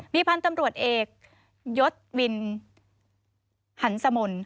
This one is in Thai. มีพันธุ์ตำรวจเอกยศวินหันสมนต์